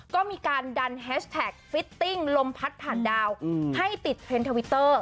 ก็มีการดันแฮชแท็กฟิตติ้งลมพัดผ่านดาวให้ติดเทรนด์ทวิตเตอร์